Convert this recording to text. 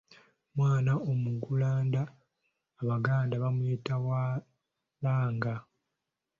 Omwana omuggulanda abaganda bamuyita waalanga.